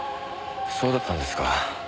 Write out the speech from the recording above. そうだったんですか。